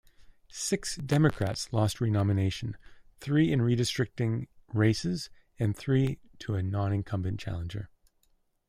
Six Democrats lost renomination: three in redistricting races and three to a non-incumbent challenger.